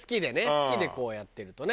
好きでこうやってるとね。